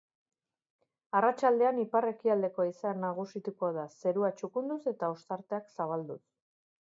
Arratsaldean ipar-ekialdeko haizea nagusituko da, zerua txukunduz eta ostarteak zabalduz.